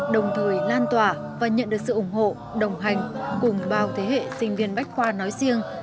đồng thời lan tỏa và nhận được sự ủng hộ đồng hành cùng bao thế hệ sinh viên bách khoa nói riêng